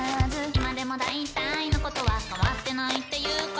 今でもだいたいのことはかわってないっていうか